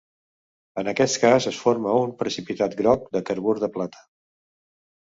En aquest cas es forma un precipitat groc de carbur de plata.